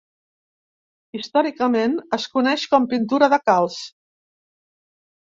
Històricament, es coneix com pintura de calç.